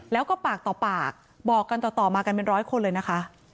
แล้วก็ปากต่อปากบอกกันต่อมากันเป็นร้อยคนเลยนะคะ